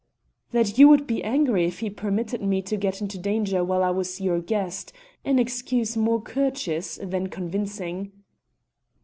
"That you would be angry if he permitted me to get into danger while I was your guest, an excuse more courteous than convincing."